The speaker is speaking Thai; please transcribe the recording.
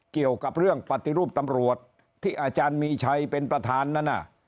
เกี่ยวกับเรื่องปฏิรูปตำรวจที่อาจารย์มีชัยเป็นประธานนั้น